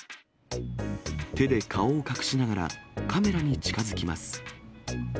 手で顔を隠しながら、カメラに近づきます。